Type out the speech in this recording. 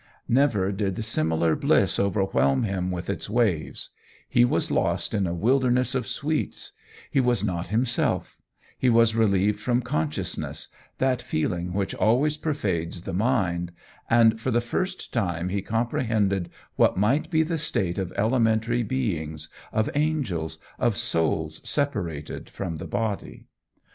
Never did similar bliss overwhelm him with its waves; he was lost in a wilderness of sweets; he was not himself; he was relieved from consciousness, that feeling which always pervades the mind; and for the first time he comprehended what might be the state of elementary beings, of angels, of souls separated from the body.